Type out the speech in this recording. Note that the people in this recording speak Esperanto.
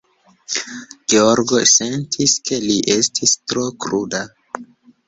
Georgo sentis, ke li estis tro kruda.